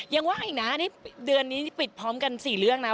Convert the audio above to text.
ยังว่างอีกนะนี่เดือนนี้ปิดพร้อมกัน๔เรื่องนะ